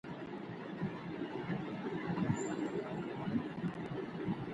هر درس د ذهن لپاره یو نوی خوراک دی.